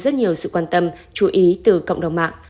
rất nhiều sự quan tâm chú ý từ cộng đồng mạng